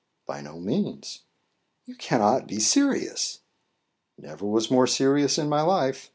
"By no means." "You cannot be serious." "Never was more serious in my life.